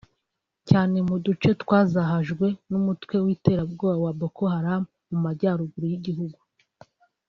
cyane mu duce twazahajwe n’umutwe w’iterabwoba wa Boko Haram mu majyaruguru y’igihugu